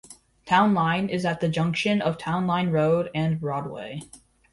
Town Line is at the junction of Town Line Road and Broadway.